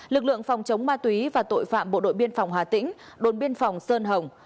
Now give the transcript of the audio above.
lực lượng phòng chống ma túy và tội phạm bộ đội biên phòng hà tĩnh đồn biên phòng sơn hồng